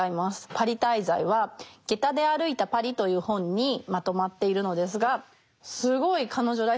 パリ滞在は「下駄で歩いた巴里」という本にまとまっているのですがすごい彼女らしさ